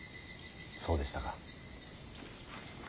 そうでしたか。